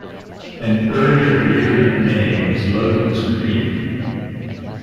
An early variant name was "Logan's Creek".